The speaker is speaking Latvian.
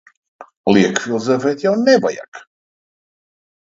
Lieki filozofēt jau nevajag.